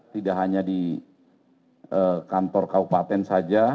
tidak hanya di kantor kabupaten saja